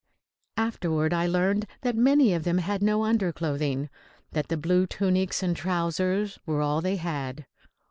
Afterward I learned that many of them had no underclothing, that the blue tunics and trousers were all they had.